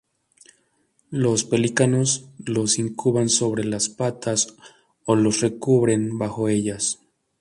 Los pelícanos los incuban sobre la patas o los recubren bajo ellas.